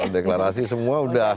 deklarasi semua udah